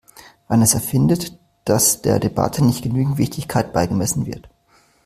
Vanessa findet, dass der Debatte nicht genügend Wichtigkeit beigemessen wird.